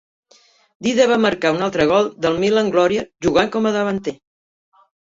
Dida va marcar un altre gol del Milan Glorie jugant com a davanter.